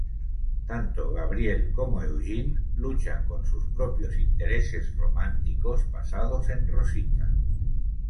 Tanto Gabriel como Eugene luchan con sus propios intereses románticos pasados en Rosita.